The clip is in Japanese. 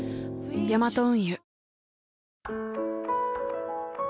ヤマト運輸